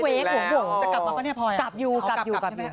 เว๊กโหจะกลับมาก็เนี่ยพลอยเอากลับใช่ไหม